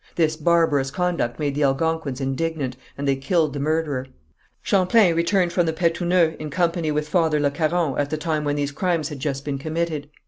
This barbarous conduct made the Algonquins indignant, and they killed the murderer. Champlain returned from the Petuneux in company with Father Le Caron at the time when these crimes had just been committed.